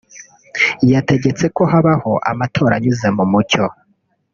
yategetse ko habaho amatora anyuze mu mucyo